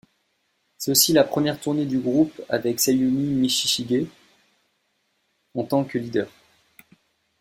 C'est aussi la première tournée du groupe avec Sayumi Michishige en tant que leader.